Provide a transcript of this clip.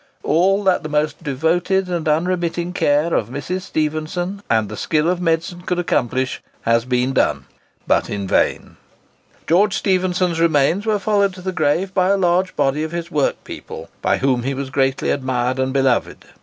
All that the most devoted and unremitting care of Mrs. Stephenson and the skill of medicine could accomplish, has been done, but in vain." George Stephenson's remains were followed to the grave by a large body of his workpeople, by whom he was greatly admired and beloved.